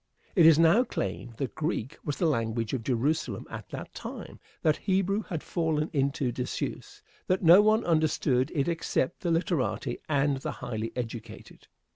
It is now claimed that Greek was the language of Jerusalem at that time; that Hebrew had fallen into disuse; that no one understood it except the literati and the highly educated.